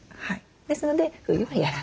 ですので冬はやらない。